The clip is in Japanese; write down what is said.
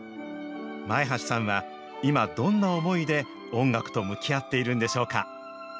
前橋さんは、今、どんな思いで音楽と向き合っているんでしょうか。